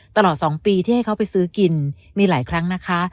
ตลอด๒ปีที่ให้เขาไปซื้อกินมีหลายครั้งนะคะ